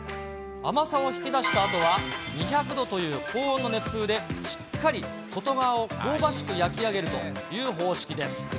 甘さを引き出したあとは、２００度という高温の熱風でしっかり外側を香ばしく焼き上げるという方式です。